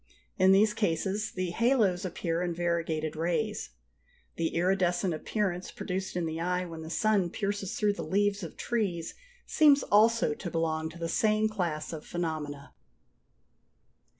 In these cases the halos appear in variegated rays. The iridescent appearance produced in the eye when the sun pierces through the leaves of trees seems also to belong to the same class of phenomena.